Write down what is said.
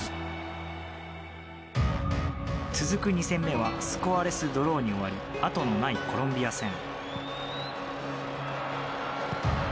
続く２戦目はスコアレスドローに終わりあとのないコロンビア戦。